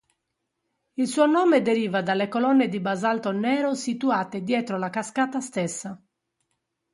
Il suo nome deriva dalle colonne di basalto nero situate dietro la cascata stessa.